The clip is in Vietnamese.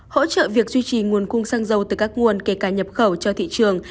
hỗ trợ việc duy trì nguồn cung xăng dầu từ các nguồn kể cả nhập khẩu cho thị trường